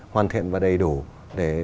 hoàn thiện và đầy đủ để